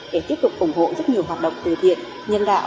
để tiếp tục ủng hộ rất nhiều hoạt động từ thiện nhân đạo